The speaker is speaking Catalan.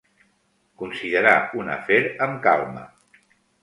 Considerar un afer amb calma.